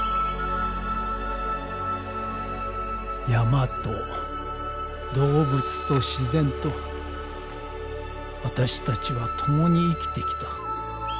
山と動物と自然と私たちは共に生きてきた。